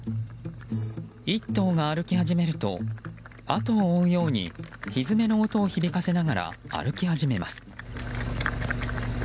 １頭が歩き始めると後を追うようにひづめの音を響かせながら歩き始めます。